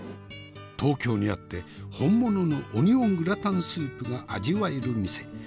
東京にあって本物のオニオングラタンスープが味わえる店。